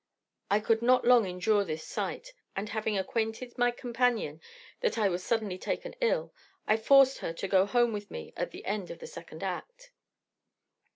I could not long endure this sight, and having acquainted my companion that I was taken suddenly ill, I forced her to go home with me at the end of the second act.